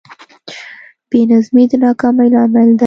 بېنظمي د ناکامۍ لامل دی.